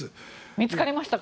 見つかりましたか？